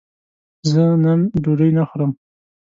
زه نن ډوډی نه خورم